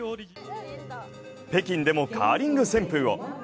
北京でもカーリング旋風を。